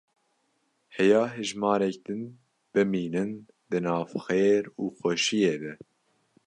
Heya hejmarek din bimînin di nav xêr û xweşîyê de.